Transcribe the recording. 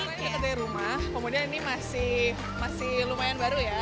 karena ini dekat dari rumah kemudian ini masih lumayan baru ya